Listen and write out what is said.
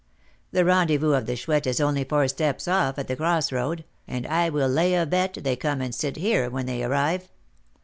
The rendezvous of the Chouette is only four steps off at the cross road, and I will lay a bet they come and sit here when they arrive.